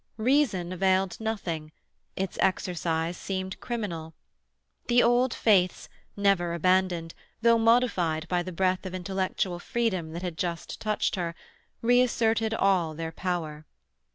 Reason availed nothing; its exercise seemed criminal. The old faiths, never abandoned, though modified by the breath of intellectual freedom that had just touched her, reasserted all their power.